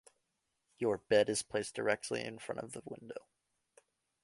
Your bed is placed directly in front of the window.